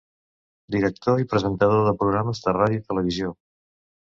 Director i presentador de programes de ràdio i televisió.